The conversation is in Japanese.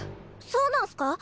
そうなんすか？